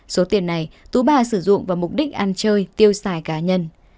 số tiền này tú ba sử dụng vào mục đích ăn chơi tiêu xài cá nhân